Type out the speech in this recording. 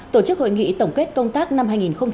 tổ chức hội nghị tổng kết công tác năm hai nghìn một mươi chín